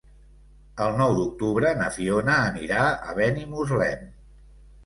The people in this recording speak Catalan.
El nou d'octubre na Fiona anirà a Benimuslem.